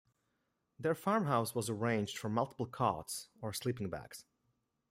Their farmhouse was arranged for multiple cots or sleeping bags.